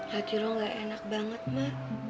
hati rom gak enak banget ma